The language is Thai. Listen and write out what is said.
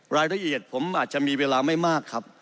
รายละเอียดผมอาจจะมีเวลาไม่มากครับ